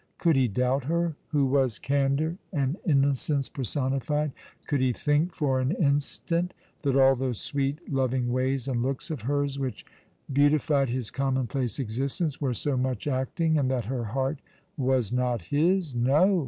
Could he doubt her, who was candour and innocence personified ? Could he think for an instant that all those sweet, loving ways and looks of hers which beautified his commonplace existence, were so much acting — and that her heart was not his? No!